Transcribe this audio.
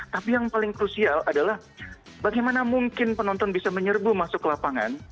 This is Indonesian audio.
tapi yang paling krusial adalah bagaimana mungkin penonton bisa menyerbu masuk lapangan